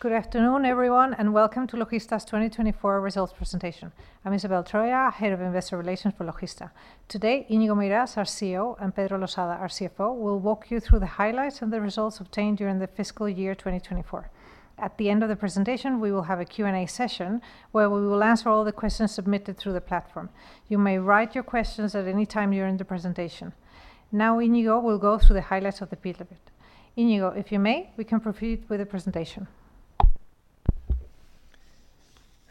Good afternoon, everyone, and welcome to Logista's 2024 Results Presentation. I'm Isabel Troya, Head of Investor Relations for Logista. Today, Íñigo Meirás, our CEO, and Pedro Losada, our CFO, will walk you through the highlights and the results obtained during the fiscal year 2024. At the end of the presentation, we will have a Q&A session where we will answer all the questions submitted through the platform. You may write your questions at any time during the presentation. Now, Íñigo, we'll go through the highlights of the pilot. Íñigo, if you may, we can proceed with the presentation.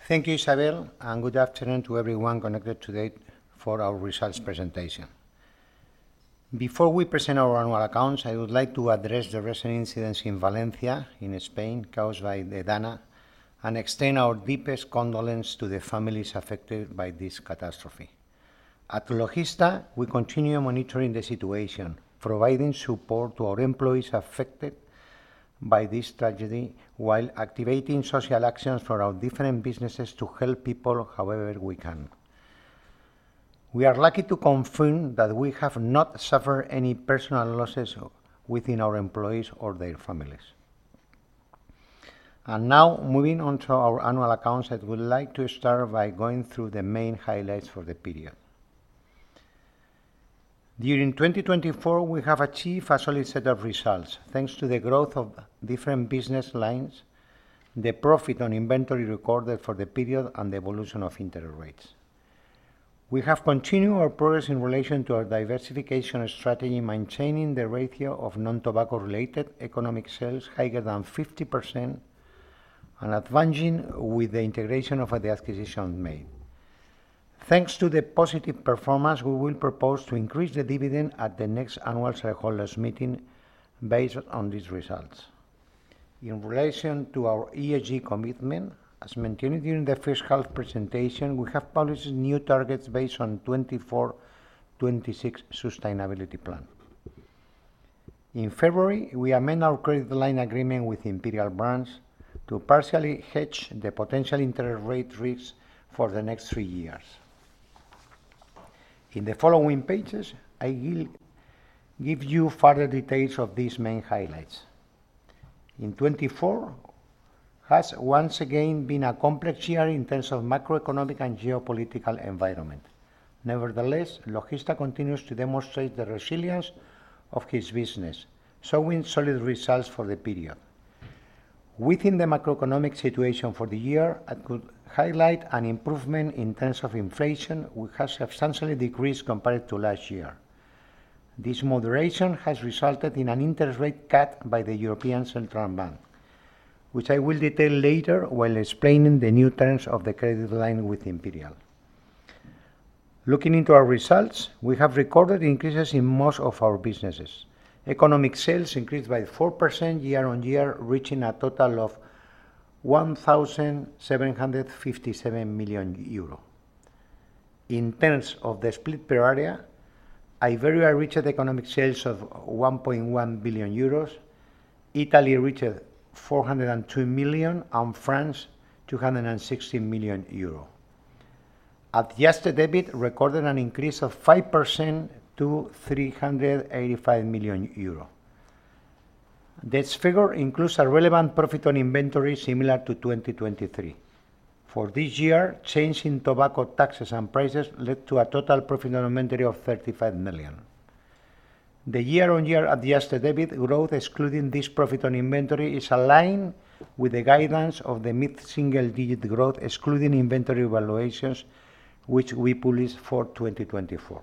Thank you, Isabel, and good afternoon to everyone connected today for our results presentation. Before we present our annual accounts, I would like to address the recent incidents in Valencia, in Spain, caused by the Dana, and extend our deepest condolence to the families affected by this catastrophe. At Logista, we continue monitoring the situation, providing support to our employees affected by this tragedy, while activating social actions for our different businesses to help people however we can. We are lucky to confirm that we have not suffered any personal losses within our employees or their families. And now, moving on to our annual accounts, I would like to start by going through the main highlights for the period. During 2024, we have achieved a solid set of results thanks to the growth of different business lines, the Profit on Inventory recorded for the period, and the evolution of interest rates. We have continued our progress in relation to our diversification strategy, maintaining the ratio of non-tobacco-related economic sales higher than 50% and advancing with the integration of the acquisitions made. Thanks to the positive performance, we will propose to increase the dividend at the next annual shareholders' meeting based on these results. In relation to our ESG commitment, as mentioned during the fiscal presentation, we have published new targets based on the 24-26 sustainability plan. In February, we amend our credit line agreement with Imperial Brands to partially hedge the potential interest rate risks for the next three years. In the following pages, I will give you further details of these main highlights. In 2024 has once again been a complex year in terms of macroeconomic and geopolitical environment. Nevertheless, Logista continues to demonstrate the resilience of its business, showing solid results for the period. Within the macroeconomic situation for the year, I could highlight an improvement in terms of inflation, which has substantially decreased compared to last year. This moderation has resulted in an interest rate cut by the European Central Bank, which I will detail later while explaining the new terms of the credit line with Imperial. Looking into our results, we have recorded increases in most of our businesses. Economic sales increased by 4% year-on-year, reaching a total of 1,757 million euro. In terms of the split per area, Iberia reached economic sales of 1.1 billion euros. Italy reached 402 million. And France 260 million euro. Adjusted EBIT recorded an increase of 5% to 385 million euro. This figure includes a relevant profit on inventory similar to 2023. For this year, changes in tobacco taxes and prices led to a total profit on inventory of 35 million. The year-on-year adjusted EBIT growth, excluding this profit on inventory, is aligned with the guidance of the mid-single-digit growth, excluding inventory valuations, which we published for 2024.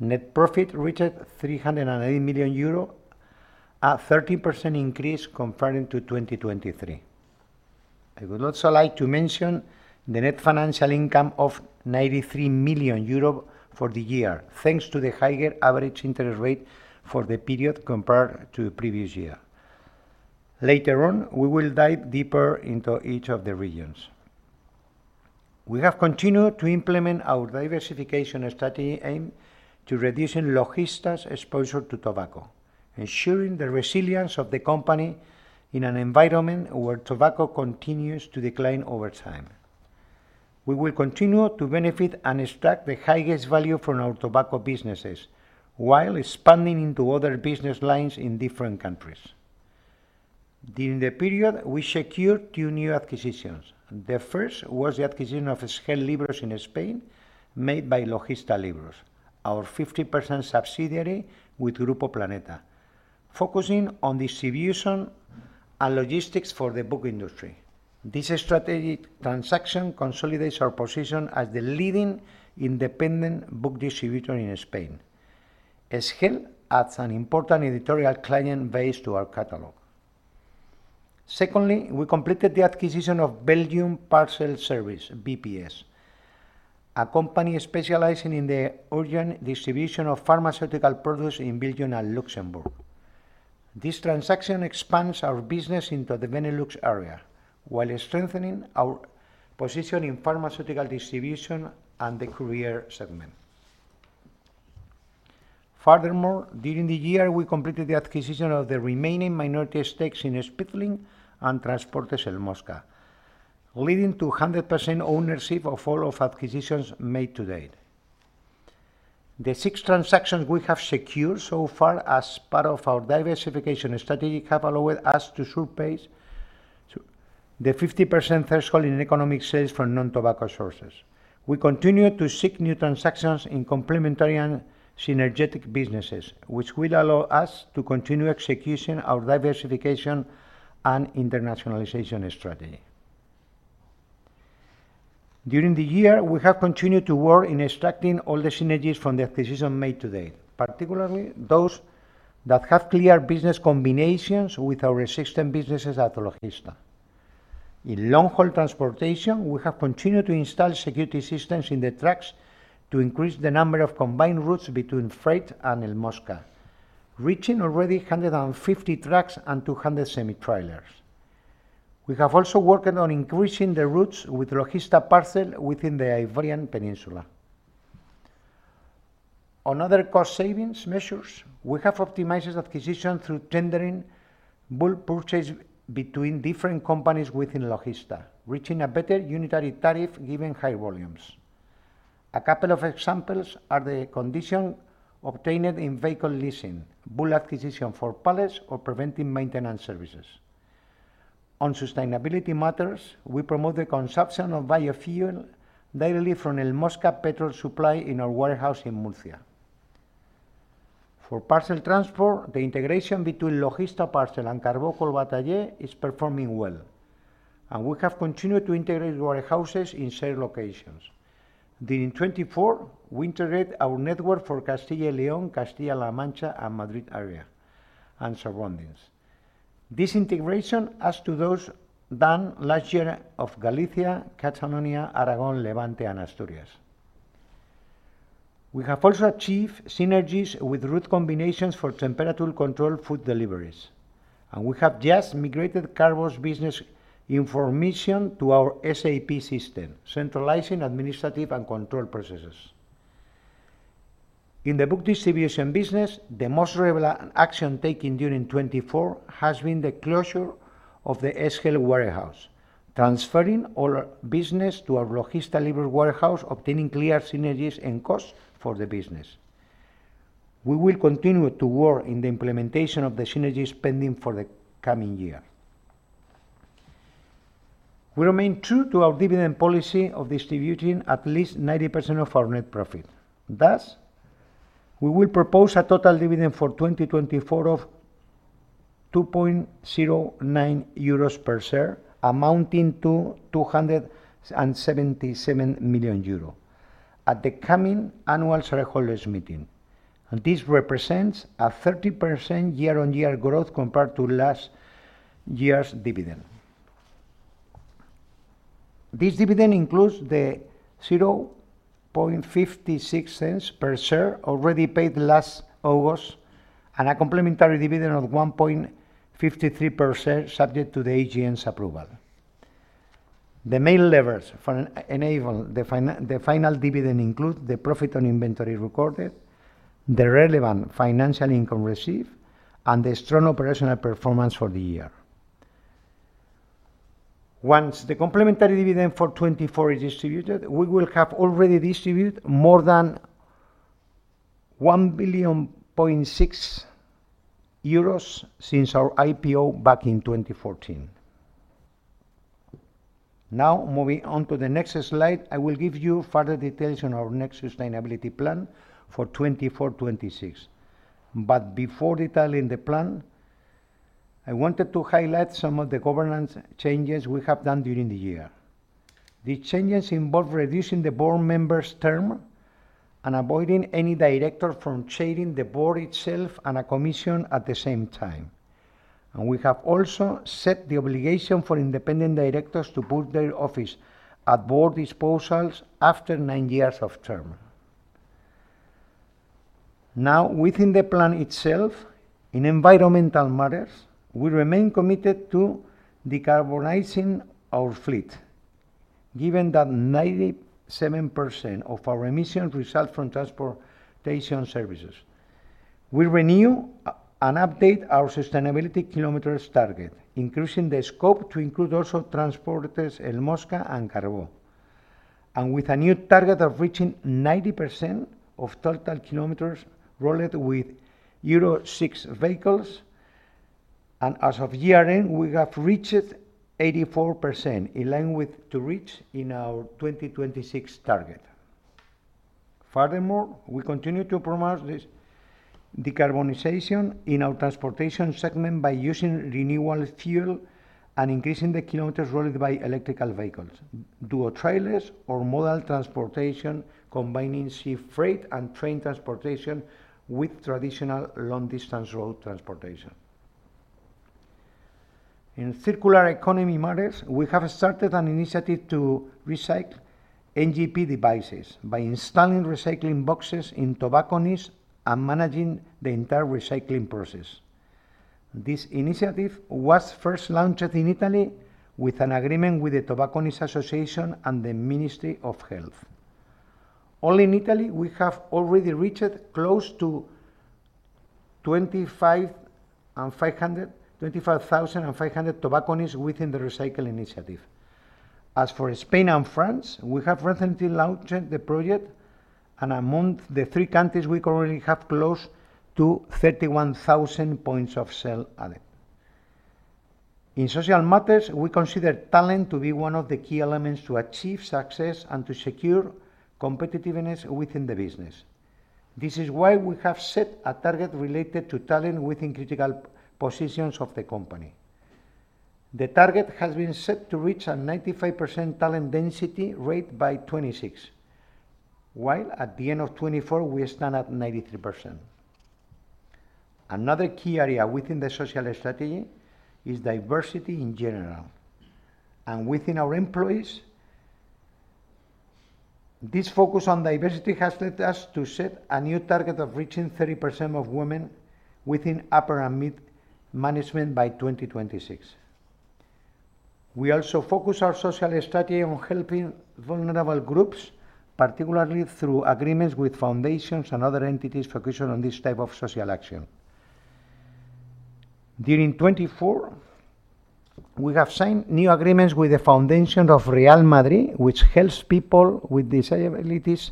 Net profit reached 380 million euro, a 13% increase compared to 2023. I would also like to mention the net financial income of 93 million euros for the year, thanks to the higher average interest rate for the period compared to the previous year. Later on, we will dive deeper into each of the regions. We have continued to implement our diversification strategy aimed to reduce Logista's exposure to tobacco, ensuring the resilience of the company in an environment where tobacco continues to decline over time. We will continue to benefit and extract the highest value from our tobacco businesses while expanding into other business lines in different countries. During the period, we secured two new acquisitions. The first was the acquisition of SGEL Libros in Spain, made by Logista Libros, our 50% subsidiary with Grupo Planeta, focusing on distribution and logistics for the book industry. This strategic transaction consolidates our position as the leading independent book distributor in Spain. SGEL adds an important editorial client base to our catalog. Secondly, we completed the acquisition of Belgium Parcel Service, BPS, a company specializing in the urgent distribution of pharmaceutical products in Belgium and Luxembourg. This transaction expands our business into the Benelux area, while strengthening our position in pharmaceutical distribution and the courier segment. Furthermore, during the year, we completed the acquisition of the remaining minority stakes in Speedlink and Transportes El Mosca, leading to 100% ownership of all of the acquisitions made to date. The six transactions we have secured so far as part of our diversification strategy have allowed us to surpass the 50% threshold in economic sales for non-tobacco sources. We continue to seek new transactions in complementary and synergetic businesses, which will allow us to continue executing our diversification and internationalization strategy. During the year, we have continued to work in extracting all the synergies from the acquisitions made to date, particularly those that have clear business combinations with our existing businesses at Logista. In long-haul transportation, we have continued to install security systems in the trucks to increase the number of combined routes between Freight and El Mosca, reaching already 150 trucks and 200 semi-trailers. We have also worked on increasing the routes with Logista Parcel within the Iberian Peninsula. On other cost savings measures, we have optimized acquisitions through tendering bulk purchases between different companies within Logista, reaching a better unitary tariff given high volumes. A couple of examples are the conditions obtained in vehicle leasing, bulk acquisition for pallets, or preventive maintenance services. On sustainability matters, we promote the consumption of biofuel directly from El Mosca gasoline supply in our warehouse in Murcia. For parcel transport, the integration between Logista Parcel and Carbó Collbatallé is performing well, and we have continued to integrate warehouses in shared locations. During 2024, we integrated our network for Castilla y León, Castilla-La Mancha, and Madrid area, and surroundings. This integration adds to those done last year of Galicia, Catalonia, Aragón, Levante, and Asturias. We have also achieved synergies with route combinations for temperature-controlled food deliveries, and we have just migrated Carbó's business information to our SAP system, centralizing administrative and control processes. In the book distribution business, the most relevant action taken during 2024 has been the closure of the SGEL warehouse, transferring all business to our Logista Libros warehouse, obtaining clear synergies and costs for the business. We will continue to work in the implementation of the synergies pending for the coming year. We remain true to our dividend policy of distributing at least 90% of our net profit. Thus, we will propose a total dividend for 2024 of 2.09 euros per share, amounting to 277 million euros at the coming annual shareholders' meeting. This represents a 30% year-on-year growth compared to last year's dividend. This dividend includes the 0.56 per share already paid last August and a complementary dividend of 1.53 per share, subject to the AGM's approval. The main levers for enabling the final dividend include the profit on inventory recorded, the relevant financial income received, and the strong operational performance for the year. Once the complementary dividend for 2024 is distributed, we will have already distributed more than 1.6 million euros since our IPO back in 2014. Now, moving on to the next slide, I will give you further details on our next sustainability plan for 2024-2026. But before detailing the plan, I wanted to highlight some of the governance changes we have done during the year. These changes involve reducing the board members' term and avoiding any director from chairing the board itself and a commission at the same time. We have also set the obligation for independent directors to put their office at the board's disposal after nine years of term. Now, within the plan itself, in environmental matters, we remain committed to decarbonizing our fleet, given that 97% of our emissions result from transportation services. We renew and update our sustainability kilometers target, increasing the scope to include also Transportes El Mosca and Carbó. With a new target of reaching 90% of total kilometers rolled with Euro 6 vehicles, and as of year-end, we have reached 84%, in line with to reach in our 2026 target. Furthermore, we continue to promote this decarbonization in our transportation segment by using renewable fuel and increasing the kilometers rolled by electric vehicles, dual trailers, or modal transportation, combining sea freight and train transportation with traditional long-distance road transportation. In circular economy matters, we have started an initiative to recycle NGP devices by installing recycling boxes in tobacconists and managing the entire recycling process. This initiative was first launched in Italy with an agreement with the Tobacconists Association and the Ministry of Health. And in Italy, we have already reached close to 25,000 tobacconists within the recycling initiative. As for Spain and France, we have recently launched the project, and among the three countries, we currently have close to 31,000 points of sale added. In social matters, we consider talent to be one of the key elements to achieve success and to secure competitiveness within the business. This is why we have set a target related to talent within critical positions of the company. The target has been set to reach a 95% talent density rate by 2026, while at the end of 2024, we stand at 93%. Another key area within the social strategy is diversity in general. And within our employees, this focus on diversity has led us to set a new target of reaching 30% of women within upper and mid management by 2026. We also focus our social strategy on helping vulnerable groups, particularly through agreements with foundations and other entities focused on this type of social action. During 2024, we have signed new agreements with the Real Madrid Foundation, which helps people with disabilities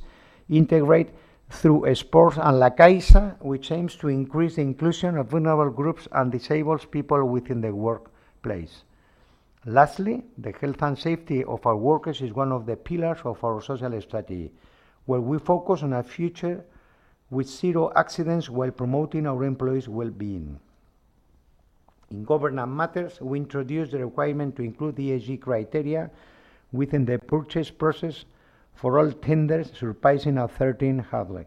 integrate through sports, and La Caixa, which aims to increase the inclusion of vulnerable groups and disabled people within the workplace. Lastly, the health and safety of our workers is one of the pillars of our social strategy, where we focus on a future with zero accidents while promoting our employees' well-being. In governance matters, we introduced the requirement to include ESG criteria within the purchase process for all tenders surpassing 130,000.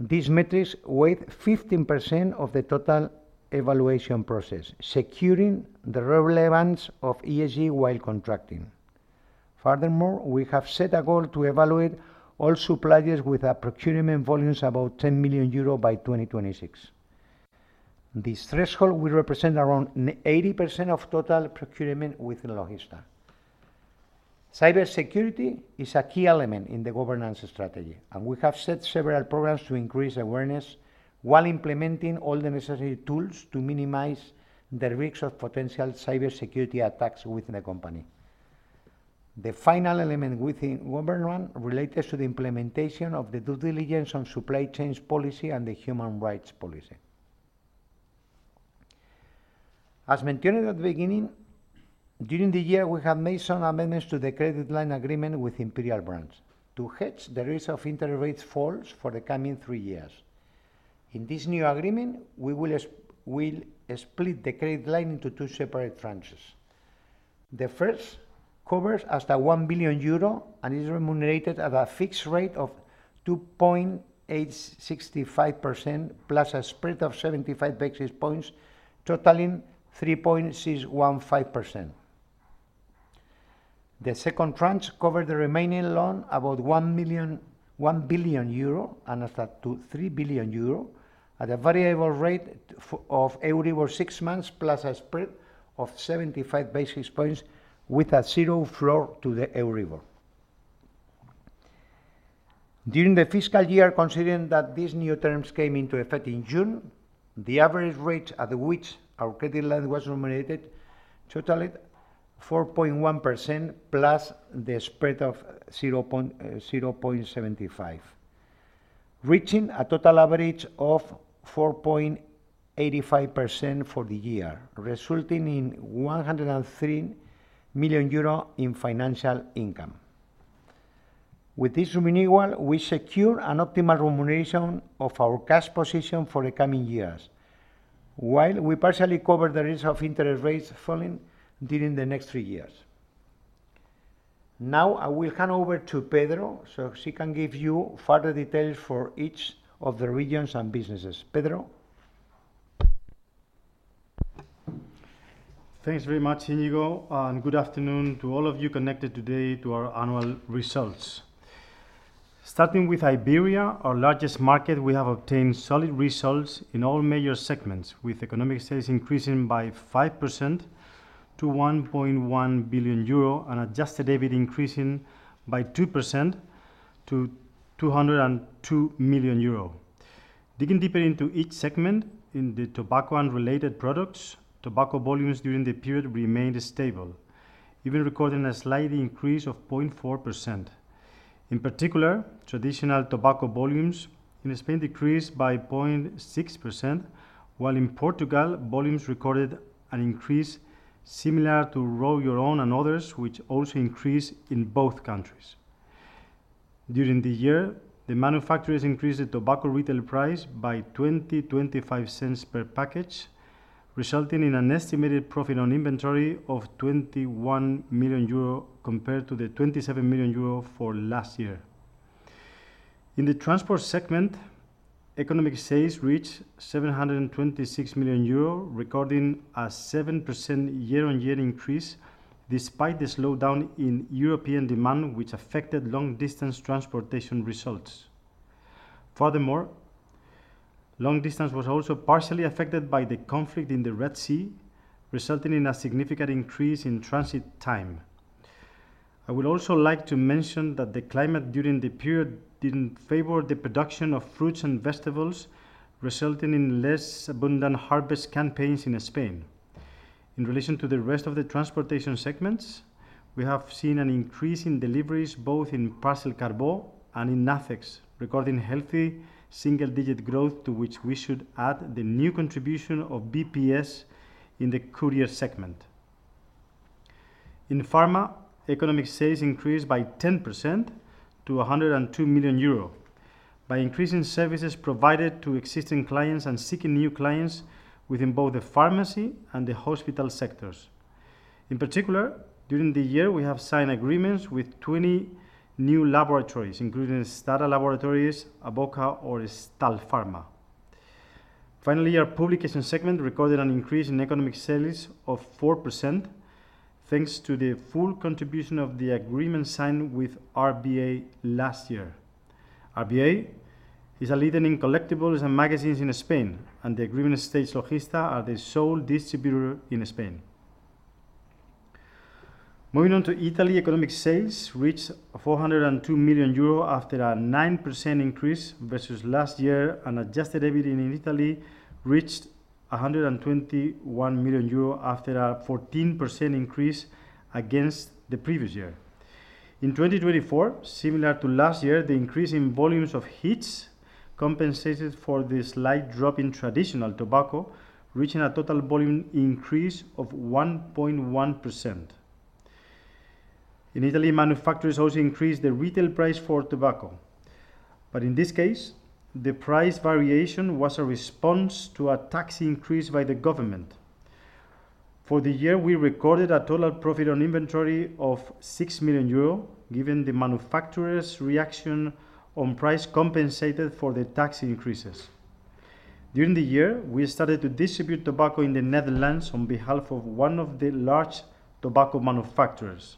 These metrics weigh 15% of the total evaluation process, securing the relevance of ESG while contracting. Furthermore, we have set a goal to evaluate all suppliers with procurement volumes above 10 million euro by 2026. This threshold will represent around 80% of total procurement with Logista. Cybersecurity is a key element in the governance strategy, and we have set several programs to increase awareness while implementing all the necessary tools to minimize the risks of potential cybersecurity attacks within the company. The final element within governance relates to the implementation of the due diligence on supply chain policy and the human rights policy. As mentioned at the beginning, during the year, we have made some amendments to the credit line agreement with Imperial Brands to hedge the risk of interest rate falls for the coming three years. In this new agreement, we will split the credit line into two separate tranches. The first covers up to 1 billion euro and is remunerated at a fixed rate of 2.865% plus a spread of 75 basis points, totaling 3.615%. The second tranche covers the remaining loan above 1 billion euro and up to 3 billion euro at a variable rate of EURIBOR six months plus a spread of 75 basis points with a zero floor to the EURIBOR. During the fiscal year, considering that these new terms came into effect in June, the average rate at which our credit line was remunerated totaled 4.1% plus the spread of 0.75, reaching a total average of 4.85% for the year, resulting in 103 million euro in financial income. With this remuneration, we secure an optimal remuneration of our cash position for the coming years, while we partially cover the risk of interest rates falling during the next three years. Now, I will hand over to Pedro so she can give you further details for each of the regions and businesses. Pedro. Thanks very much, Íñigo, and good afternoon to all of you connected today to our annual results. Starting with Iberia, our largest market, we have obtained solid results in all major segments, with economic sales increasing by 5% to 1.1 billion euro and adjusted EBIT increasing by 2% to 202 million euro. Digging deeper into each segment, in the tobacco and related products, tobacco volumes during the period remained stable, even recording a slight increase of 0.4%. In particular, traditional tobacco volumes in Spain decreased by 0.6%, while in Portugal, volumes recorded an increase similar to Roll Your Own and others, which also increased in both countries. During the year, the manufacturers increased the tobacco retail price by 20.25 cents per package, resulting in an estimated profit on inventory of 21 million euro compared to the 27 million euro for last year. In the transport segment, economic sales reached 726 million euro, recording a 7% year-on-year increase despite the slowdown in European demand, which affected long-distance transportation results. Furthermore, long-distance was also partially affected by the conflict in the Red Sea, resulting in a significant increase in transit time. I would also like to mention that the climate during the period didn't favor the production of fruits and vegetables, resulting in less abundant harvest campaigns in Spain. In relation to the rest of the transportation segments, we have seen an increase in deliveries both in Parcel Carbó and in NACEX, recording healthy single-digit growth to which we should add the new contribution of BPS in the courier segment. In pharma, economic sales increased by 10% to 102 million euro by increasing services provided to existing clients and seeking new clients within both the pharmacy and the hospital sectors. In particular, during the year, we have signed agreements with 20 new laboratories, including STADA, Aboca, or Stallergenes Greer. Finally, our publication segment recorded an increase in economic sales of 4% thanks to the full contribution of the agreement signed with RBA last year. RBA is a leader in collectibles and magazines in Spain, and the agreement states Logista as the sole distributor in Spain. Moving on to Italy, economic sales reached 402 million euro after a 9% increase versus last year, and adjusted EBIT in Italy reached 121 million euro after a 14% increase against the previous year. In 2024, similar to last year, the increase in volumes of hits compensated for the slight drop in traditional tobacco, reaching a total volume increase of 1.1%. In Italy, manufacturers also increased the retail price for tobacco. But in this case, the price variation was a response to a tax increase by the government. For the year, we recorded a total profit on inventory of 6 million euro, given the manufacturers' reaction on price compensated for the tax increases. During the year, we started to distribute tobacco in the Netherlands on behalf of one of the large tobacco manufacturers.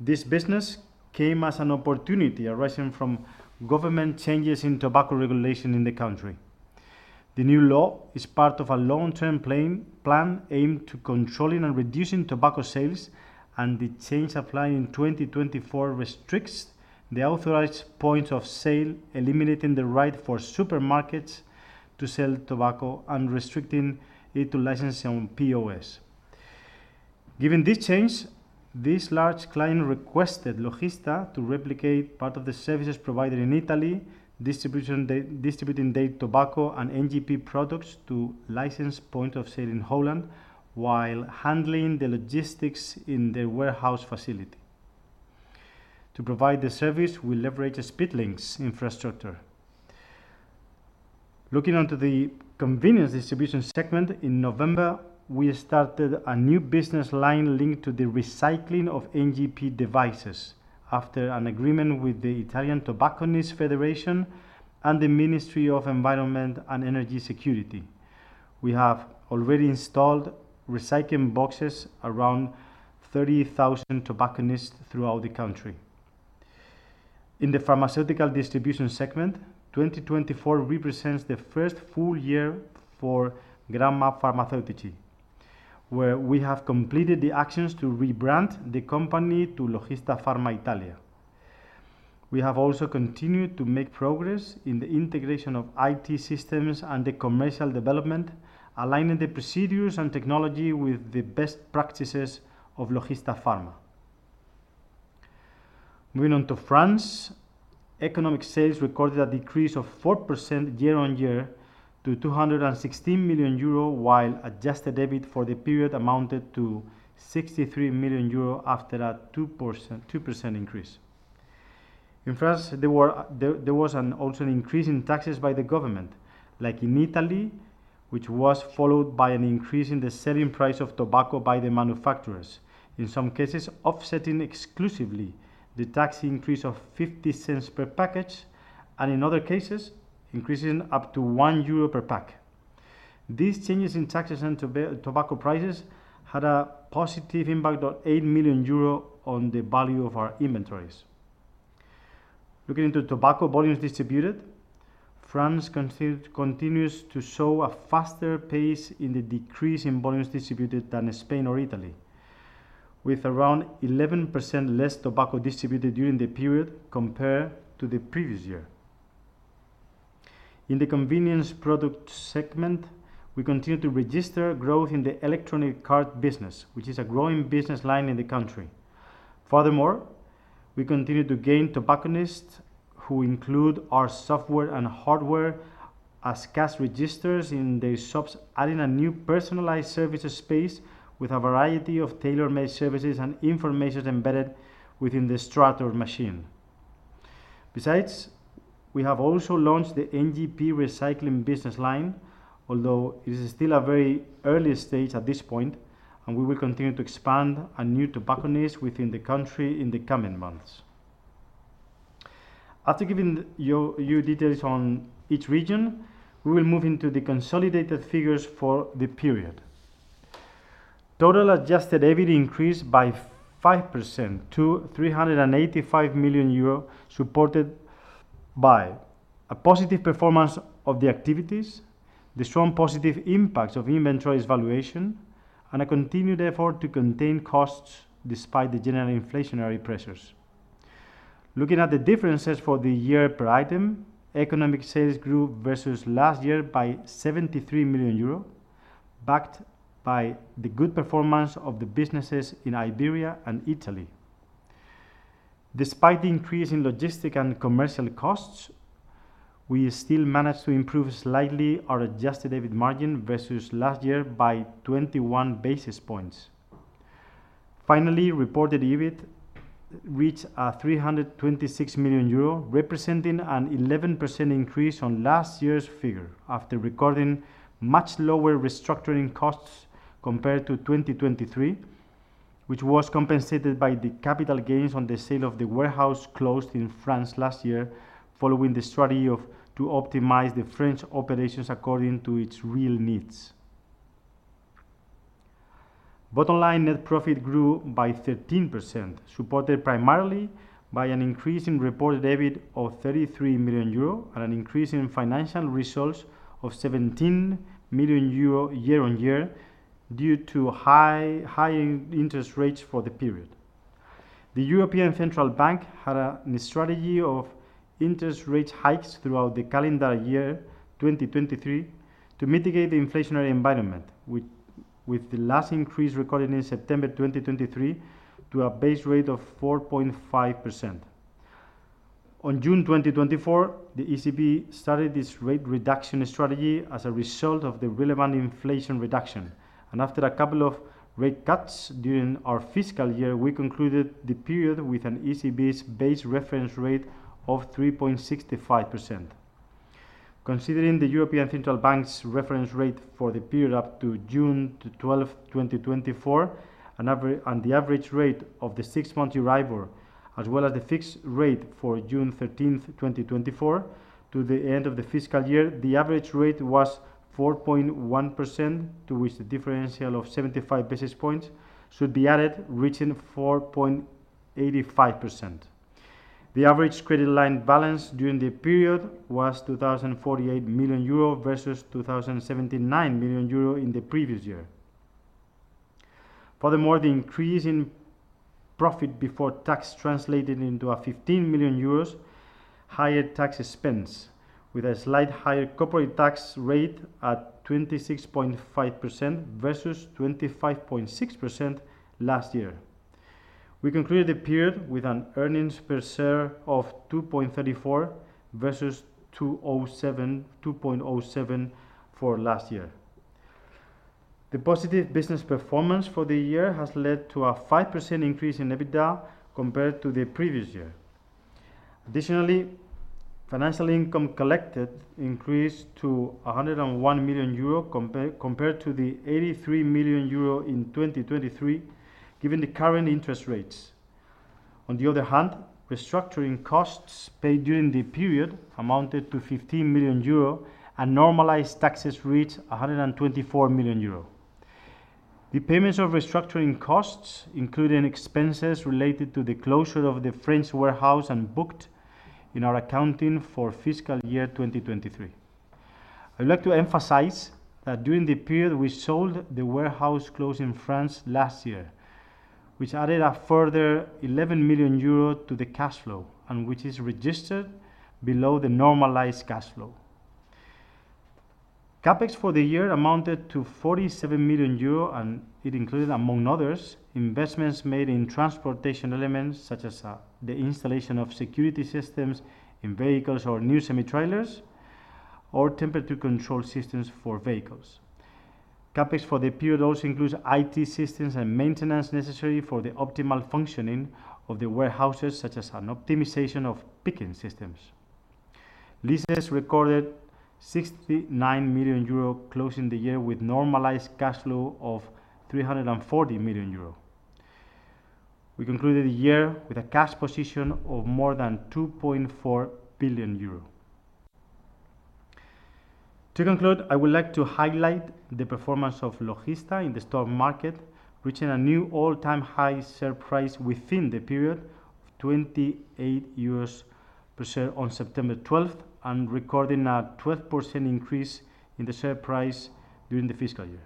This business came as an opportunity arising from government changes in tobacco regulation in the country. The new law is part of a long-term plan aimed at controlling and reducing tobacco sales, and the change applied in 2024 restricts the authorized points of sale, eliminating the right for supermarkets to sell tobacco and restricting it to licensing on POS. Given this change, this large client requested Logista to replicate part of the services provided in Italy, distributing their tobacco and NGP products to licensed points of sale in Holland while handling the logistics in their warehouse facility. To provide the service, we leveraged a Speedlink's infrastructure. Looking on to the convenience distribution segment, in November, we started a new business line linked to the recycling of NGP devices after an agreement with the Italian Tobacconists Federation and the Ministry of Environment and Energy Security. We have already installed recycling boxes around 30,000 tobacconists throughout the country. In the pharmaceutical distribution segment, 2024 represents the first full year for Gramma Farmaceutici, where we have completed the actions to rebrand the company to Logista Pharma Italia. We have also continued to make progress in the integration of IT systems and the commercial development, aligning the procedures and technology with the best practices of Logista Pharma. Moving on to France, economic sales recorded a decrease of 4% year-on-year to 216 million euro, while adjusted EBIT for the period amounted to 63 million euro after a 2% increase. In France, there was also an increase in taxes by the government, like in Italy, which was followed by an increase in the selling price of tobacco by the manufacturers, in some cases offsetting exclusively the tax increase of 0.50 per package, and in other cases, increasing up to 1 euro per pack. These changes in taxes and tobacco prices had a positive impact of 8 million euros on the value of our inventories. Looking into tobacco volumes distributed, France continues to show a faster pace in the decrease in volumes distributed than Spain or Italy, with around 11% less tobacco distributed during the period compared to the previous year. In the convenience product segment, we continue to register growth in the electronic card business, which is a growing business line in the country. Furthermore, we continue to gain tobacconists who include our software and hardware as cash registers in their shops, adding a new personalized services space with a variety of tailor-made services and information embedded within the Strator machine. Besides, we have also launched the NGP recycling business line, although it is still at a very early stage at this point, and we will continue to expand and new tobacconists within the country in the coming months. After giving you details on each region, we will move into the consolidated figures for the period. Total Adjusted EBIT increased by 5% to 385 million euro, supported by a positive performance of the activities, the strong positive impacts of inventory evaluation, and a continued effort to contain costs despite the general inflationary pressures. Looking at the differences for the year per item, economic sales grew versus last year by 73 million euro, backed by the good performance of the businesses in Iberia and Italy. Despite the increase in logistics and commercial costs, we still managed to improve slightly our adjusted EBIT margin versus last year by 21 basis points. Finally, reported EBIT reached 326 million euro, representing an 11% increase on last year's figure after recording much lower restructuring costs compared to 2023, which was compensated by the capital gains on the sale of the warehouse closed in France last year, following the strategy to optimize the French operations according to its real needs. Bottom line net profit grew by 13%, supported primarily by an increase in reported EBIT of 33 million euro and an increase in financial results of 17 million euro year-on-year due to high interest rates for the period. The European Central Bank had a strategy of interest rate hikes throughout the calendar year 2023 to mitigate the inflationary environment, with the last increase recorded in September 2023 to a base rate of 4.5%. On June 2024, the ECB started this rate reduction strategy as a result of the relevant inflation reduction, and after a couple of rate cuts during our fiscal year, we concluded the period with an ECB's base reference rate of 3.65%. Considering the European Central Bank's reference rate for the period up to June 12, 2024, and the average rate of the six-month EURIBOR, as well as the fixed rate for June 13, 2024, to the end of the fiscal year, the average rate was 4.1%, to which the differential of 75 basis points should be added, reaching 4.85%. The average credit line balance during the period was 2,048 million euro versus 2,079 million euro in the previous year. Furthermore, the increase in profit before tax translated into 15 million euros, higher tax expense, with a slight higher corporate tax rate at 26.5% versus 25.6% last year. We concluded the period with an earnings per share of 2.34 versus 2.07 for last year. The positive business performance for the year has led to a 5% increase in EBITDA compared to the previous year. Additionally, financial income collected increased to 101 million euro compared to the 83 million euro in 2023, given the current interest rates. On the other hand, restructuring costs paid during the period amounted to 15 million euro and normalized taxes reached 124 million euro. The payments of restructuring costs included expenses related to the closure of the French warehouse and booked in our accounting for fiscal year 2023. I would like to emphasize that during the period, we sold the warehouse closed in France last year, which added a further 11 million euro to the cash flow and which is registered below the normalized cash flow. CapEx for the year amounted to 47 million euro, and it included, among others, investments made in transportation elements such as the installation of security systems in vehicles or new semi-trailers or temperature control systems for vehicles. CapEx for the period also includes IT systems and maintenance necessary for the optimal functioning of the warehouses, such as an optimization of picking systems. Logista's recorded 69 million euro closing the year with normalized cash flow of 340 million euro. We concluded the year with a cash position of more than 2.4 billion euro. To conclude, I would like to highlight the performance of Logista in the stock market, reaching a new all-time high share price within the period of 28 per share on September 12 and recording a 12% increase in the share price during the fiscal year.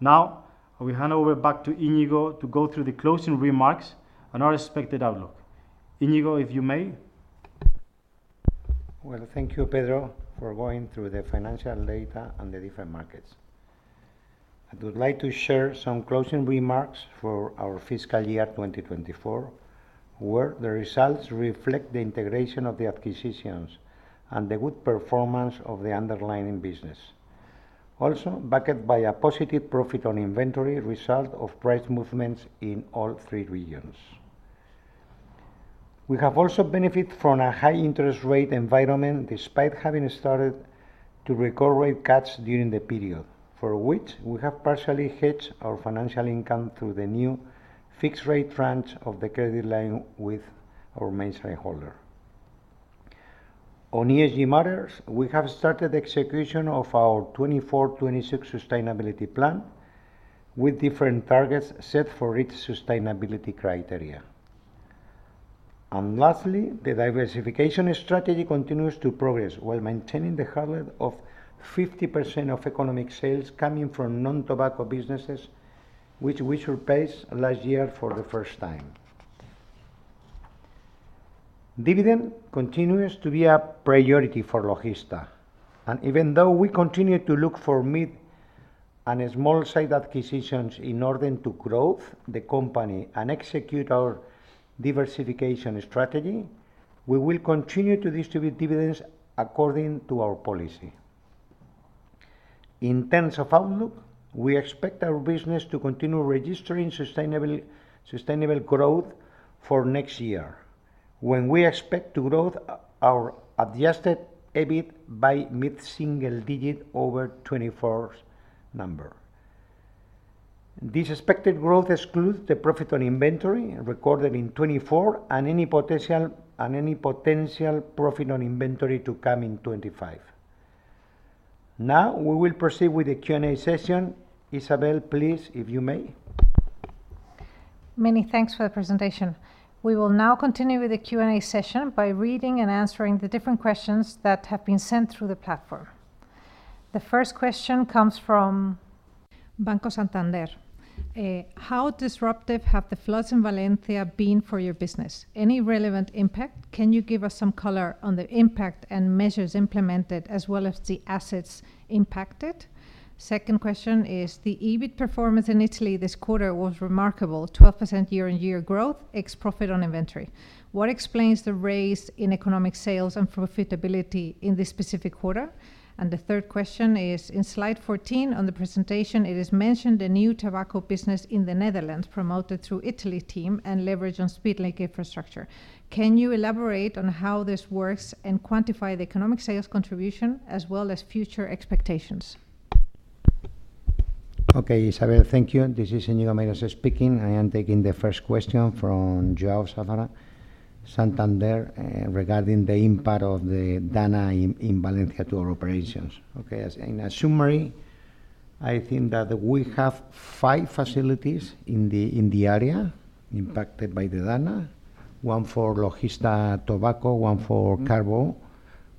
Now, I will hand over back to Íñigo to go through the closing remarks and our expected outlook. Íñigo, if you may. Well, thank you, Pedro, for going through the financial data and the different markets. I would like to share some closing remarks for our fiscal year 2024, where the results reflect the integration of the acquisitions and the good performance of the underlying business. Also, backed by a positive profit on inventory result of price movements in all three regions. We have also benefited from a high interest rate environment despite having started to record rate cuts during the period, for which we have partially hedged our financial income through the new fixed rate tranche of the credit line with our main shareholder. On ESG matters, we have started the execution of our 2024-2026 sustainability plan with different targets set for each sustainability criteria. And lastly, the diversification strategy continues to progress while maintaining the hard core of 50% of economic sales coming from non-tobacco businesses, which we surpassed last year for the first time. Dividend continues to be a priority for Logista. And even though we continue to look for mid- and small-sized acquisitions in order to grow the company and execute our diversification strategy, we will continue to distribute dividends according to our policy. In terms of outlook, we expect our business to continue registering sustainable growth for next year, when we expect to grow our adjusted EBIT by mid-single digit over 2024 number. This expected growth excludes the profit on inventory recorded in 2024 and any potential profit on inventory to come in 2025. Now, we will proceed with the Q&A session. Isabel, please, if you may. Many thanks for the presentation. We will now continue with the Q&A session by reading and answering the different questions that have been sent through the platform. The first question comes from Banco Santander. How disruptive have the floods in Valencia been for your business? Any relevant impact? Can you give us some color on the impact and measures implemented, as well as the assets impacted? Second question is, the EBIT performance in Italy this quarter was remarkable, 12% year-on-year growth, ex profit on inventory. What explains the rise in economic sales and profitability in this specific quarter? And the third question is, in slide 14 on the presentation, it is mentioned a new tobacco business in the Netherlands promoted through the Italy team and leveraged on Speedlink infrastructure. Can you elaborate on how this works and quantify the economic sales contribution, as well as future expectations? Okay, Isabel, thank you. This is Íñigo Meirás speaking. I am taking the first question from João Safara, Santander, regarding the impact of the DANA in Valencia to our operations. Okay, in a summary, I think that we have five facilities in the area impacted by the DANA, one for Logista Tobacco, one for Carbó,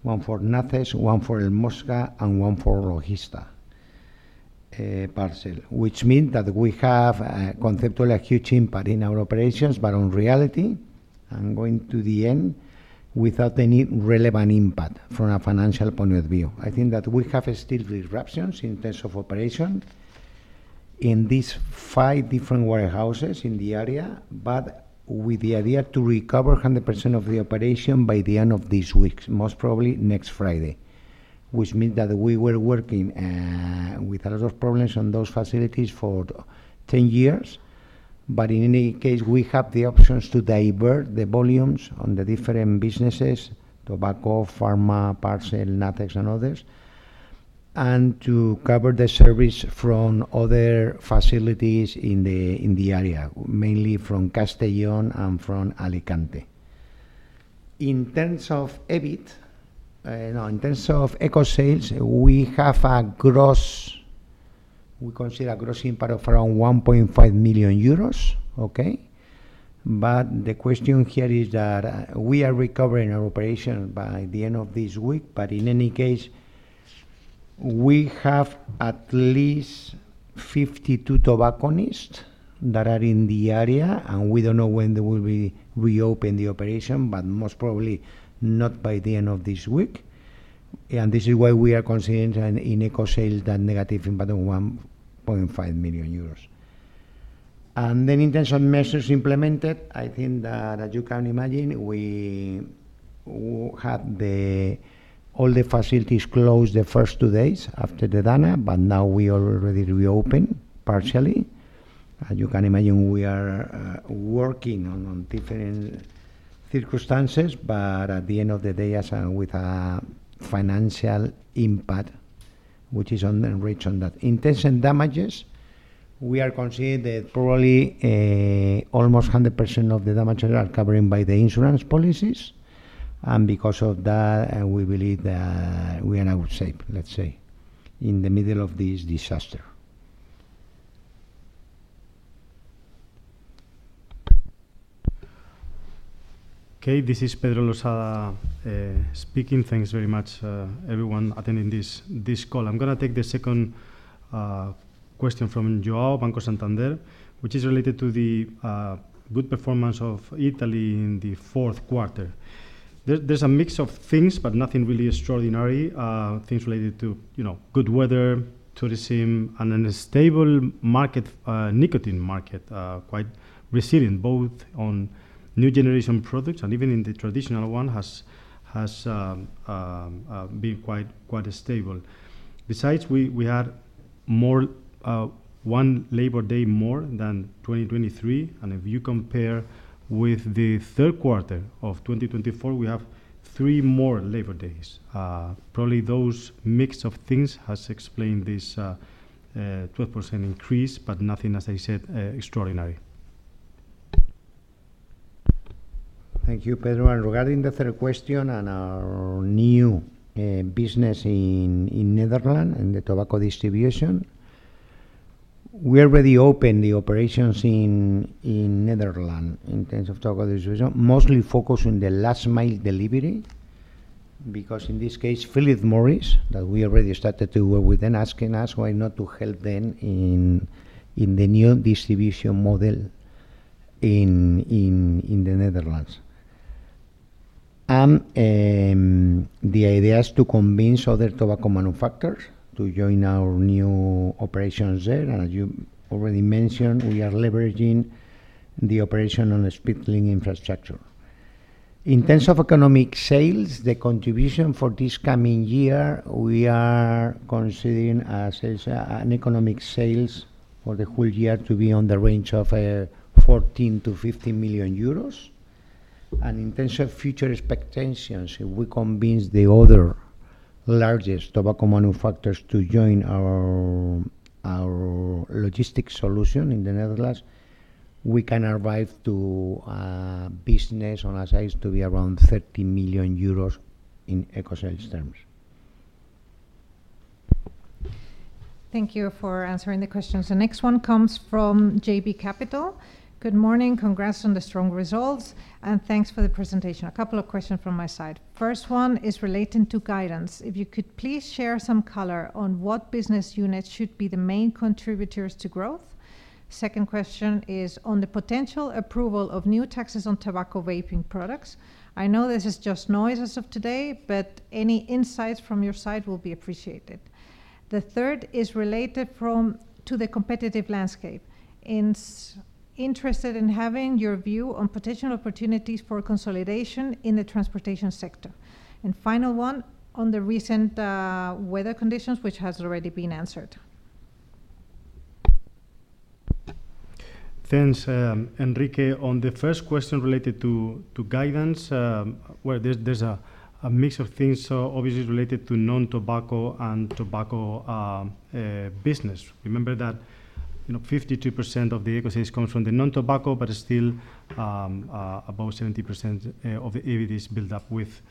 one for NACEX, one for El Mosca, and one for Logista Parcel, which means that we have conceptually a huge impact in our operations, but in reality, and going to the end, without any relevant impact from a financial point of view. I think that we have still disruptions in terms of operations in these five different warehouses in the area, but with the idea to recover 100% of the operation by the end of this week, most probably next Friday, which means that we were working with a lot of problems on those facilities for 10 years. But in any case, we have the options to divert the volumes on the different businesses, tobacco, pharma, parcel, NACEX, and others, and to cover the service from other facilities in the area, mainly from Castellón and from Alicante. In terms of EBIT, no, in terms of ECO sales, we have a gross we consider a gross impact of around 1.5 million euros. Okay, but the question here is that we are recovering our operation by the end of this week, but in any case, we have at least 52 tobacconists that are in the area, and we don't know when they will reopen the operation, but most probably not by the end of this week. And this is why we are considering in ECO sales that negative impact of 1.5 million euros. And then in terms of measures implemented, I think that as you can imagine, we had all the facilities closed the first two days after the DANA, but now we already reopened partially. As you can imagine, we are working on different circumstances, but at the end of the day, as with a financial impact, which is on the reach on that. In terms of damages, we are considered that probably almost 100% of the damages are covered by the insurance policies, and because of that, we believe that we are now safe, let's say, in the middle of this disaster. Okay, this is Pedro Losada speaking. Thanks very much, everyone, attending this call. I'm going to take the second question from João, Banco Santander, which is related to the good performance of Italy in the fourth quarter. There's a mix of things, but nothing really extraordinary. Things related to good weather, tourism, and a stable market, nicotine market, quite resilient, both on new generation products and even in the traditional one has been quite stable. Besides, we had one labor day more than 2023, and if you compare with the third quarter of 2024, we have three more labor days. Probably those mix of things has explained this 12% increase, but nothing, as I said, extraordinary. Thank you, Pedro. And regarding the third question and our new business in Netherlands and the tobacco distribution, we already opened the operations in Netherlands in terms of tobacco distribution, mostly focusing on the last mile delivery, because in this case, Philip Morris, that we already started to work with them, asking us why not to help them in the new distribution model in the Netherlands. The idea is to convince other tobacco manufacturers to join our new operations there. As you already mentioned, we are leveraging the operation on the Speedlink infrastructure. In terms of economic sales, the contribution for this coming year, we are considering as an economic sales for the whole year to be in the range of 14 to 15 million. In terms of future expectations, if we convince the other largest tobacco manufacturers to join our logistics solution in the Netherlands, we can arrive to a business on our sides to be around 30 million euros in ECO sales terms. Thank you for answering the questions. The next one comes from JB Capital. Good morning. Congrats on the strong results, and thanks for the presentation. A couple of questions from my side. First one is relating to guidance. If you could please share some color on what business units should be the main contributors to growth. Second question is on the potential approval of new taxes on tobacco vaping products. I know this is just noise as of today, but any insights from your side will be appreciated. The third is related to the competitive landscape. Interested in having your view on potential opportunities for consolidation in the transportation sector. The final one on the recent weather conditions, which has already been answered. Thanks, Enrique. On the first question related to guidance, well, there's a mix of things, obviously related to non-tobacco and tobacco business. Remember that 52% of the economic sales comes from the non-tobacco, but still about 70% of the EBIT is built up with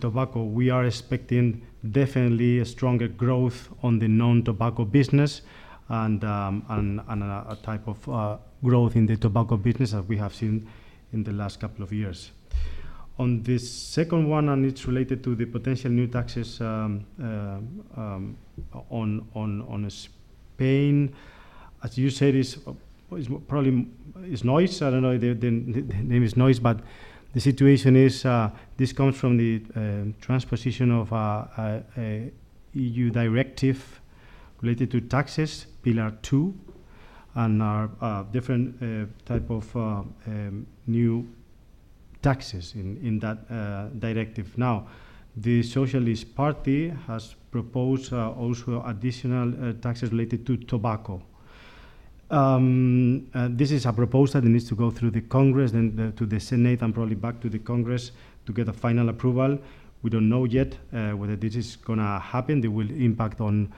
tobacco. We are expecting definitely a stronger growth on the non-tobacco business and a type of growth in the tobacco business as we have seen in the last couple of years. On the second one, and it's related to the potential new taxes in Spain, as you said, it's probably noise. I don't know if the impact is noise, but the situation is, this comes from the transposition of an EU directive related to taxes, Pillar 2, and different types of new taxes in that directive. Now, the Socialist Party has proposed also additional taxes related to tobacco. This is a proposal that needs to go through the Congress, then to the Senate, and probably back to the Congress to get a final approval. We don't know yet whether this is going to happen. There will be impact on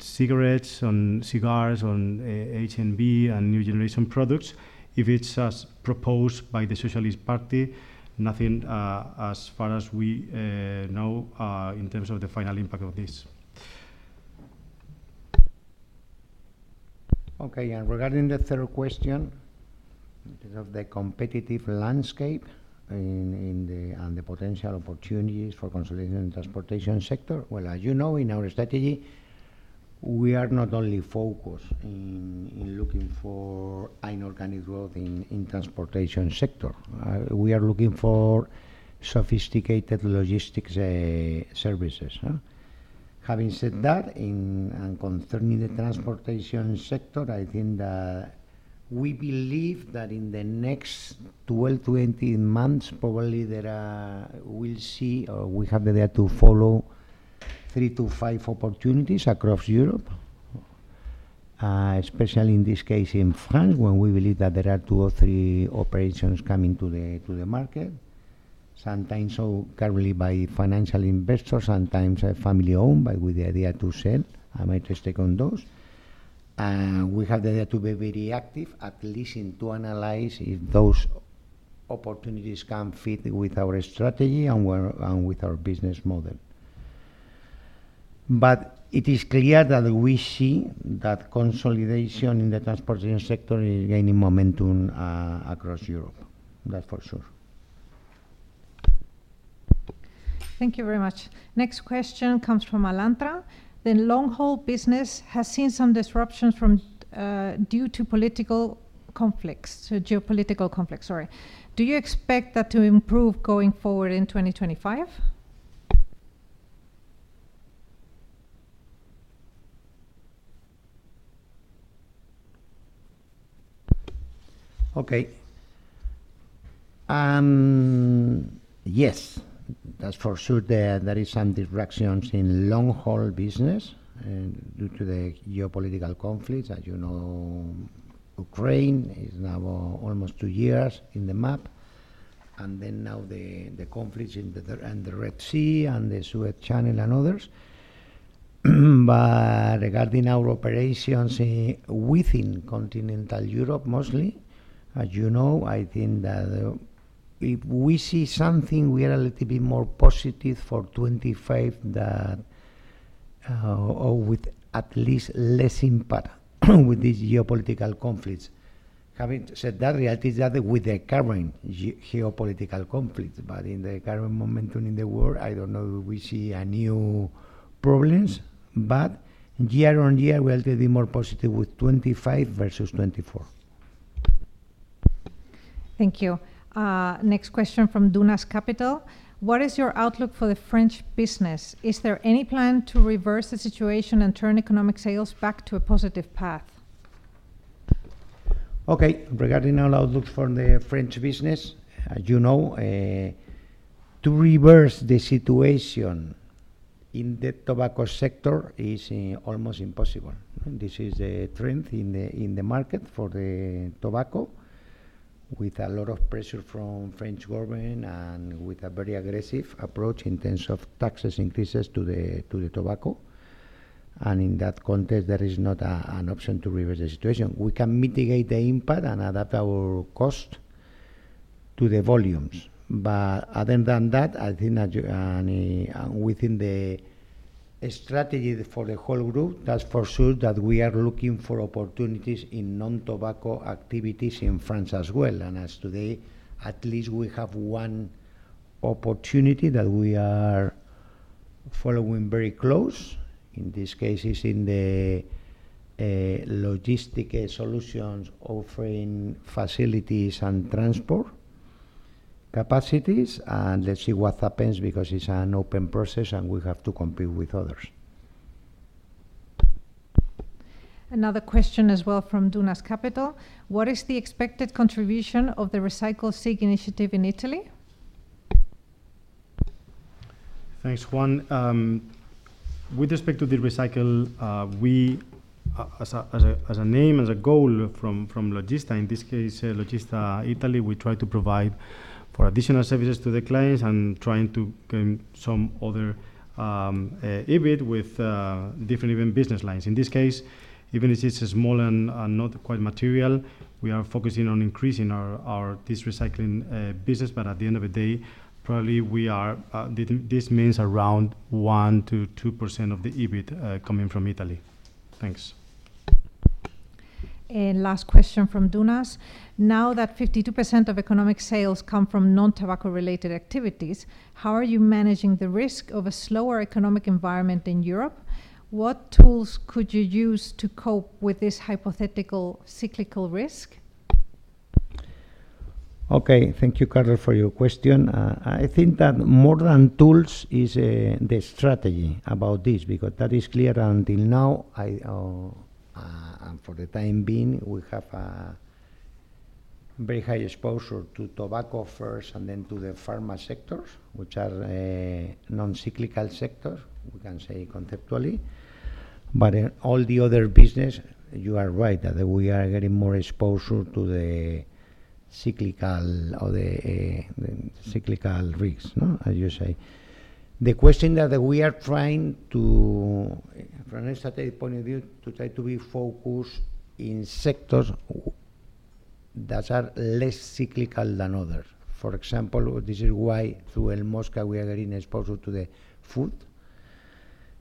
cigarettes, on cigars, on HNB, and new generation products. If it's as proposed by the Socialist Party, nothing as far as we know in terms of the final impact of this. Okay, and regarding the third question, in terms of the competitive landscape and the potential opportunities for consolidation in the transportation sector, well, as you know, in our strategy, we are not only focused in looking for high organic growth in the transportation sector. We are looking for sophisticated logistics services. Having said that, and concerning the transportation sector, I think that we believe that in the next 12 to 18 months, probably we'll see or we have the data to follow three to five opportunities across Europe, especially in this case in France, when we believe that there are two or three operations coming to the market, sometimes carried by financial investors, sometimes family-owned, but with the idea to sell and make a stake on those. We have the data to be very active, at least to analyze if those opportunities can fit with our strategy and with our business model. But it is clear that we see that consolidation in the transportation sector is gaining momentum across Europe. That's for sure. Thank you very much. Next question comes from Alantra. The long-haul business has seen some disruptions due to political conflicts, geopolitical conflicts, sorry. Do you expect that to improve going forward in 2025? Okay. Yes, that's for sure that there are some disruptions in long-haul business due to the geopolitical conflicts. As you know, Ukraine is now almost two years in the map, and then now the conflicts in the Red Sea and the Suez Canal and others. But regarding our operations within continental Europe, mostly, as you know, I think that if we see something, we are a little bit more positive for 2025 that with at least less impact with these geopolitical conflicts. Having said that, the reality is that with the current geopolitical conflicts, but in the current momentum in the world, I don't know if we see new problems, but year-on-year, we are a little bit more positive with 2025 versus 2024. Thank you. Next question from Dunas Capital. What is your outlook for the French business? Is there any plan to reverse the situation and turn Economic Sales back to a positive path? Okay, regarding our outlooks for the French business, as you know, to reverse the situation in the tobacco sector is almost impossible. This is the trend in the market for the tobacco, with a lot of pressure from the French government and with a very aggressive approach in terms of taxes increases to the tobacco. And in that context, there is not an option to reverse the situation. We can mitigate the impact and adapt our cost to the volumes. But other than that, I think within the strategy for the whole group, that's for sure that we are looking for opportunities in non-tobacco activities in France as well. And as today, at least we have one opportunity that we are following very close. In this case, it's in the logistic solutions offering facilities and transport capacities, and let's see what happens because it's an open process and we have to compete with others. Another question as well from Dunas Capital. What is the expected contribution of the NGP device recycling initiative in Italy? Thanks, Juan. With respect to the recycling, we, as an aim, as a goal from Logista, in this case, Logista Italy, we try to provide additional services to the clients and trying to gain some other EBIT with different even business lines. In this case, even if it's small and not quite material, we are focusing on increasing our device recycling business, but at the end of the day, probably this means around 1%-2% of the EBIT coming from Italy. Thanks. And last question from Dunas. Now that 52% of economic sales come from non-tobacco-related activities, how are you managing the risk of a slower economic environment in Europe? What tools could you use to cope with this hypothetical cyclical risk? Okay, thank you, Carlos, for your question. I think that more than tools is the strategy about this because that is clear until now, and for the time being, we have a very high exposure to tobacco first and then to the pharma sectors, which are non-cyclical sectors, we can say conceptually, but all the other business, you are right that we are getting more exposure to the cyclical risks, as you say. The question that we are trying to, from a strategic point of view, to try to be focused in sectors that are less cyclical than others. For example, this is why through El Mosca, we are getting exposure to the food,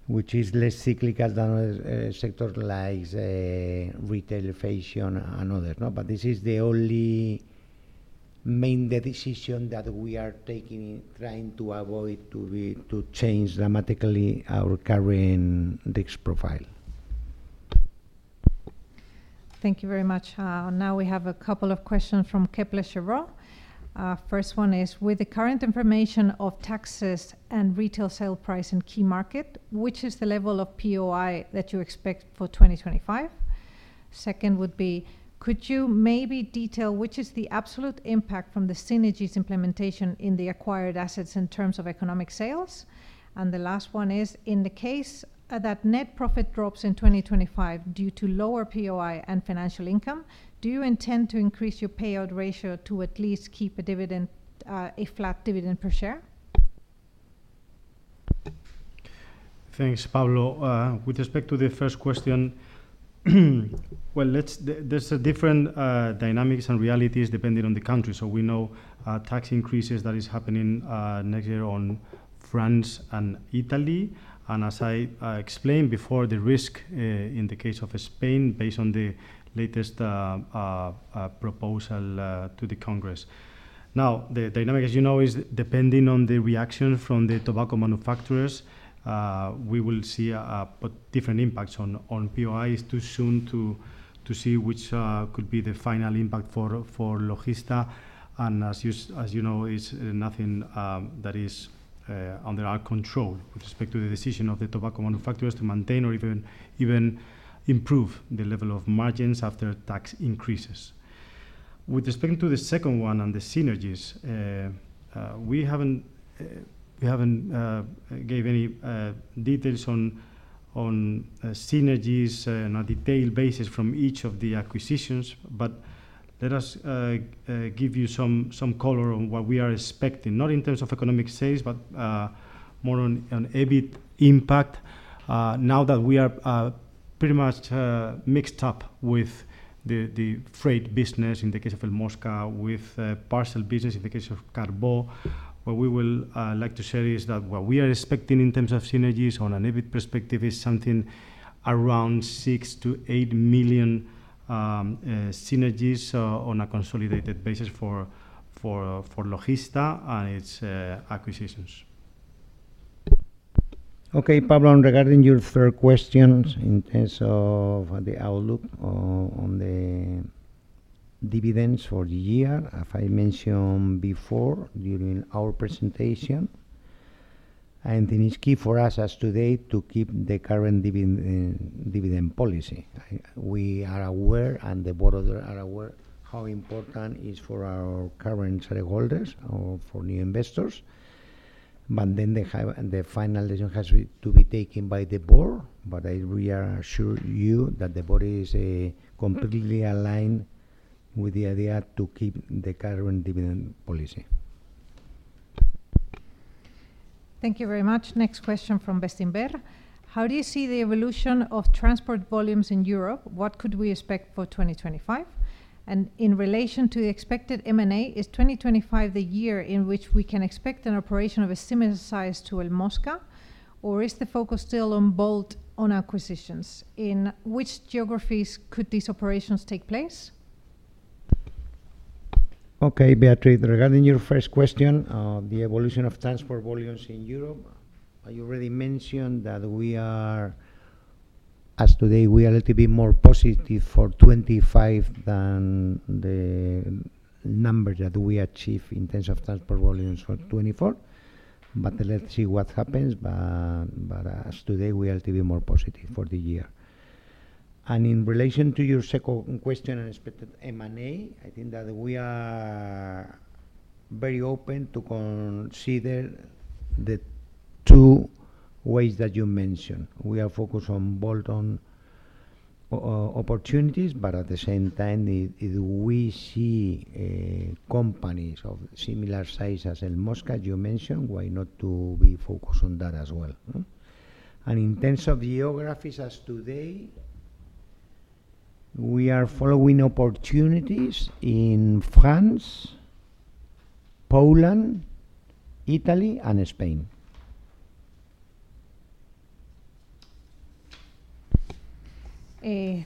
which is less cyclical than other sectors like retail, fashion, and others, but this is the only main decision that we are taking, trying to avoid to change dramatically our current risk profile. Thank you very much. Now we have a couple of questions from Kepler Cheuvreux. First one is, with the current information of taxes and retail sale price in key market, which is the level of POI that you expect for 2025? Second would be, could you maybe detail which is the absolute impact from the synergies implementation in the acquired assets in terms of economic sales? And the last one is, in the case that net profit drops in 2025 due to lower POI and financial income, do you intend to increase your payout ratio to at least keep a flat dividend per share? Thanks, Pablo. With respect to the first question, well, there's different dynamics and realities depending on the country. So we know tax increases that are happening next year on France and Italy. As I explained before, the risk in the case of Spain, based on the latest proposal to the Congress. Now, the dynamic, as you know, is depending on the reaction from the tobacco manufacturers. We will see different impacts on POI. It's too soon to see which could be the final impact for Logista. And as you know, it's nothing that is under our control with respect to the decision of the tobacco manufacturers to maintain or even improve the level of margins after tax increases. With respect to the second one and the synergies, we haven't given any details on synergies on a detailed basis from each of the acquisitions, but let us give you some color on what we are expecting, not in terms of economic sales, but more on EBIT impact. Now that we are pretty much mixed up with the freight business in the case of El Mosca, with parcel business in the case of Carbó, what we would like to share is that what we are expecting in terms of synergies on an EBIT perspective is something around 6-8 million synergies on a consolidated basis for Logista and its acquisitions. Okay, Pablo, regarding your third question in terms of the outlook on the dividends for the year, as I mentioned before during our presentation, I think it's key for us as of today to keep the current dividend policy. We are aware, and the board are aware how important it is for our current shareholders or for new investors. But then the final decision has to be taken by the board. But we assure you that the board is completely aligned with the idea to keep the current dividend policy. Thank you very much. Next question from Bestinver. How do you see the evolution of transport volumes in Europe? What could we expect for 2025? And in relation to the expected M&A, is 2025 the year in which we can expect an operation of a similar size to El Mosca, or is the focus still on bolt-on acquisitions? In which geographies could these operations take place? Okay, Beatriz, regarding your first question, the evolution of transport volumes in Europe, I already mentioned that as today, we are a little bit more positive for 2025 than the number that we achieved in terms of transport volumes for 2024. But let's see what happens. But as today, we are a little bit more positive for the year. In relation to your second question and expected M&A, I think that we are very open to consider the two ways that you mentioned. We are focused on bolt-on opportunities, but at the same time, if we see companies of similar size as El Mosca you mentioned, why not to be focused on that as well? In terms of geographies as today, we are following opportunities in France, Poland, Italy, and Spain.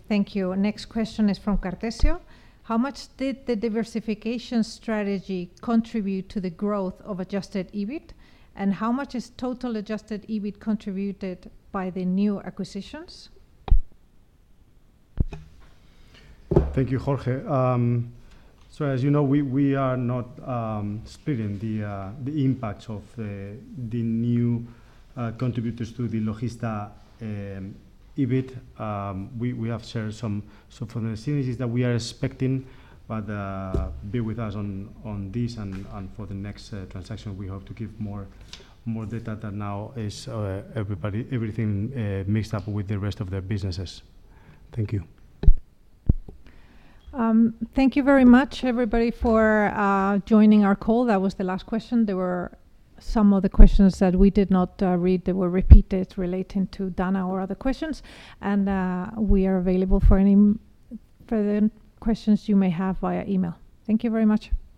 Thank you. Next question is from Cartesio. How much did the diversification strategy contribute to the growth of Adjusted EBIT? And how much is total Adjusted EBIT contributed by the new acquisitions? Thank you, Jorge. As you know, we are not splitting the impacts of the new contributors to the Logista EBIT. We have shared some of the synergies that we are expecting, but be with us on this. And for the next transaction, we hope to give more data that now is everything mixed up with the rest of the businesses. Thank you. Thank you very much, everybody, for joining our call. That was the last question. There were some other questions that we did not read that were repeated relating to DANA or other questions. And we are available for any further questions you may have via email. Thank you very much.